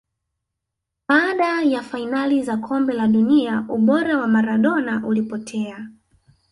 Baada ya fainali za kombe la dunia ubora wa Maradona ulipotea